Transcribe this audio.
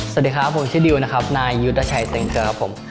สวัสดีครับผมชื่อดิวนะครับนายยุทธชัยเต็งเกลือผม